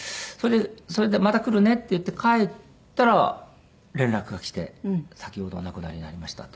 それで「また来るね」って言って帰ったら連絡が来て「先ほどお亡くなりになりました」と。